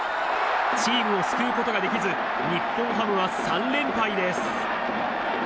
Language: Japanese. チームを救うことができず日本ハムは３連敗です。